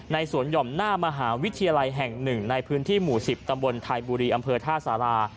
สวนหย่อมหน้ามหาวิทยาลัยแห่ง๑ในพื้นที่หมู่๑๐ตำบลไทยบุรีอำเภอท่าสารา